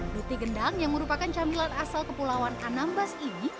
duti gendang yang merupakan camilan asal kepulauan anambas ini